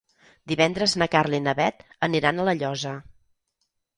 Divendres na Carla i na Bet aniran a La Llosa.